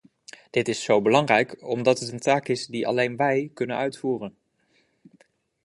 Dit is zo belangrijk omdat het een taak is die alleen wij kunnen uitvoeren.